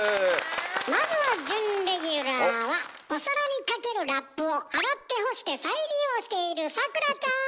まずは準レギュラーはお皿にかけるラップを洗って干して再利用している咲楽ちゃん！